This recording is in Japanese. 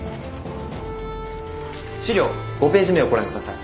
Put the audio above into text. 資料５ページ目をご覧ください。